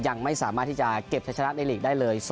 ยังไม่สามารถที่จะเก็บชะชนะในลีกได้เลย